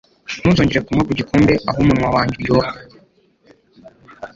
ntuzongere kunywa ku gikombe aho umunwa wanjye uryoha